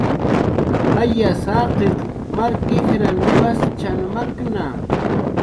Jayas jaqiq mark ijrna waschan makna